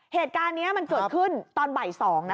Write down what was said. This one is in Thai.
เหตุการณ์นี้มันเกิดขึ้นตอนบ่าย๒นะ